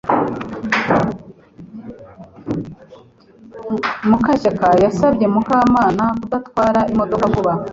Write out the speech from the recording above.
Mukashyaka yasabye Mukamana kudatwara imodoka vuba